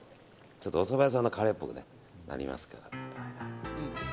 おそば屋さんのカレーっぽくなりますから。